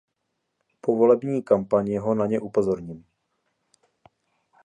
Po volební kampani ho na ně upozorním.